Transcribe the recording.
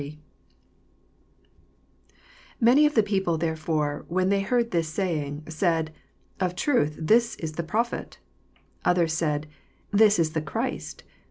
40 Many of the people therefore, when they heard thia saying, said, Of » truth this is the Prophet. 41 Others said, This is the Christ.